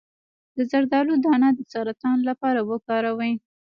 د زردالو دانه د سرطان لپاره وکاروئ